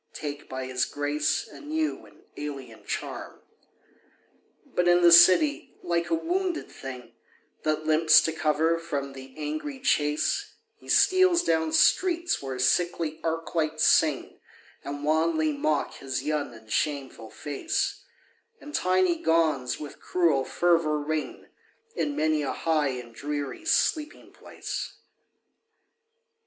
Take by his grace a new and alien charm. But in the city, like a wounded thing That limps to cover from the angry chase, He steals down streets where sickly arc lights sing, And wanly mock his young and shameful face; And tiny gongs with cruel fervor ring In many a high and dreary sleeping place.